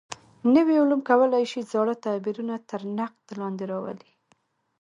نوي علوم کولای شي زاړه تعبیرونه تر نقد لاندې راولي.